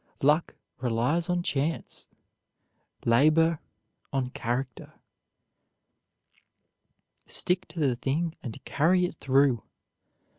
Luck relies on chance; labor, on character." Stick to the thing and carry it through.